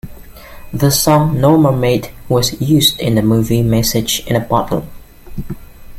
The song "No Mermaid" was used in the movie "Message in a Bottle".